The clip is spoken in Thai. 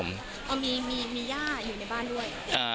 มีญาติอยู่ในบ้านด้วย